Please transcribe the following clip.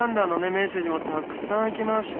メッセージもたくさん来ました。